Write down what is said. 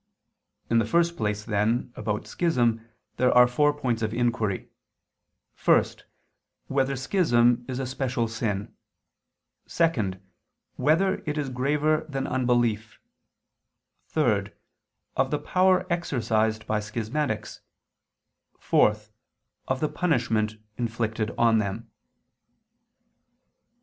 In the first place, then, about schism, there are four points of inquiry: (1) Whether schism is a special sin? (2) Whether it is graver than unbelief? (3) Of the power exercised by schismatics; (4) Of the punishment inflicted on them.